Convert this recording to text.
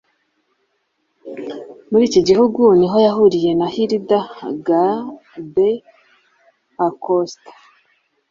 muri iki gihugu niho yahuriye na hilda gadea acosta